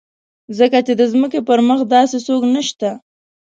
ځکه چې د ځمکې پر مخ داسې څوک نشته.